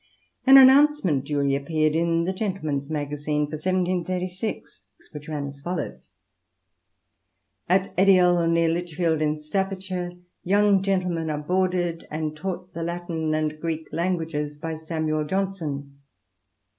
An announcement duly appeared in the GentlematCs Magazine for 1736, which ran as follows :— "At Edial, near Lichfield in Staffordshire, young gentlemen are boarded and taught the Latin and Greek Languages, by Samuel Johnson."